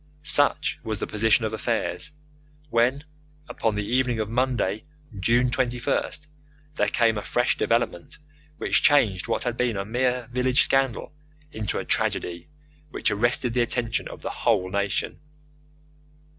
Such was the position of affairs when, upon the evening of Monday, June 21st, there came a fresh development which changed what had been a mere village scandal into a tragedy which arrested the attention of the whole nation.